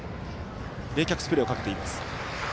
冷却スプレーをかけています。